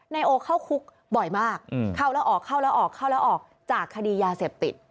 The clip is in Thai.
นายโอเข้าคุกบ่อยมากเข้าแล้วออกเข้าแล้วออกเข้าแล้วออกจากคดียาเสพติด